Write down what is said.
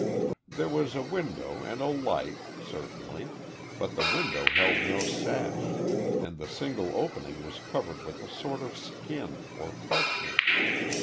There was a window and a light, certainly, but the window held no sash, and the single opening was covered with a sort of skin, or parchment.